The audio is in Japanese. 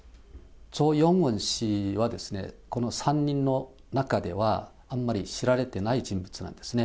チョ・ヨンウォン氏はこの３人の中では、あんまり知られてない人物なんですね。